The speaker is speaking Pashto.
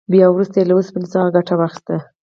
بیا وروسته یې له اوسپنې څخه ګټه واخیسته.